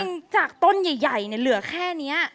พี่นี่จากต้นใหญ่เนี่ยเหลือแค่เนี้ย